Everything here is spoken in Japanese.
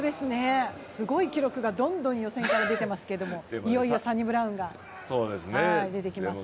すごい記録がどんどん予選から出ていますけどもいよいよサニブラウンが出てきます。